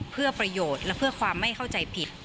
เพื่อประโยชน์และเพื่อความไม่เข้าใจผิด